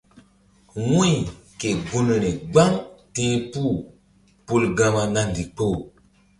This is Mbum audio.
Wu̧y ke gunri gbam ti̧h puh pul Gama na ndikpoh.